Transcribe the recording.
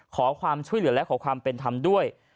ขอความช่วยเหลือและขอความเป็นธรรมด้วย